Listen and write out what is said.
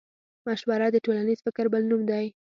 مشوره د ټولنيز فکر بل نوم دی.